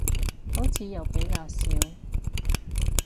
好似又比較少